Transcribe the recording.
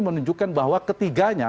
menunjukkan bahwa ketiganya